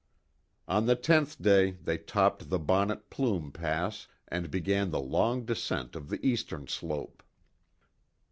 On the tenth day they topped the Bonnet Plume pass and began the long descent of the eastern slope.